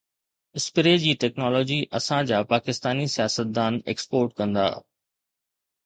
spray جي technology اسان جا پاڪستاني سياستدان ايڪسپورٽ ڪندا